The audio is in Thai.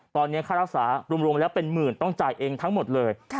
ตอนนี้ค่ารักษารวมแล้วเป็นหมื่นต้องจ่ายเองทั้งหมดเลย